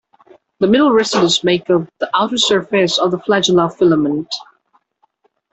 The middle residues make up the outer surface of the flagellar filament.